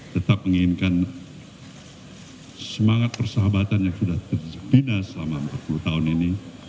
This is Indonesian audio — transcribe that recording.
tetap menginginkan semangat persahabatan yang sudah terjepina selama empat puluh tahun ini